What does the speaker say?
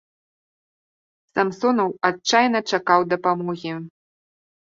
Самсонаў адчайна чакаў дапамогі.